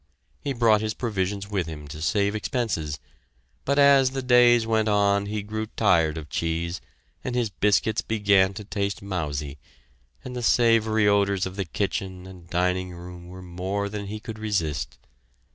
He brought his provisions with him to save expenses, but as the days went on he grew tired of cheese, and his biscuits began to taste mousy, and the savory odors of the kitchen and dining room were more than he could resist.